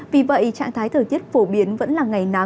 vì vậy trạng thái thời tiết phổ biến vẫn là ngày nắng